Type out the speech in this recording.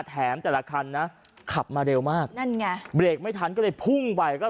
แถมแต่และคันก็ขับมาเร็วมากเบรกไม่ทันก็เลยพุ่งไป